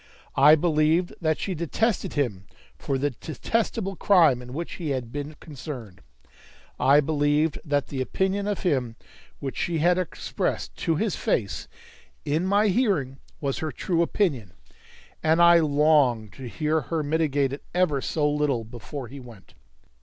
I believed that she detested him for the detestable crime in which he had been concerned. I believed that the opinion of him which she had expressed to his face, in my hearing, was her true opinion, and I longed to hear her mitigate it ever so little before he went.